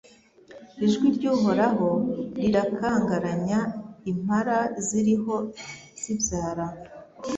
Ijwi ry’Uhoraho rirakangaranya impara ziriho zibyara